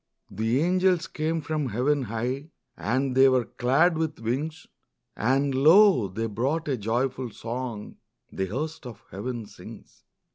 The angels came from heaven high, And they were clad with wings; And lo, they brought a joyful song The host of heaven sings.